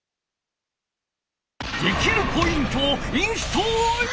できるポイントをインストール！